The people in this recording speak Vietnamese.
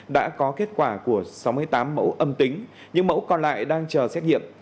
đã có kết quả của sáu mươi tám mẫu âm tính những mẫu còn lại đang chờ xét nghiệm